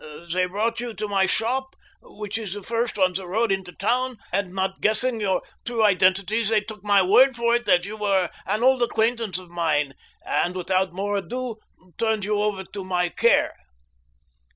They brought you to my shop, which is the first on the road into town, and not guessing your true identity they took my word for it that you were an old acquaintance of mine and without more ado turned you over to my care."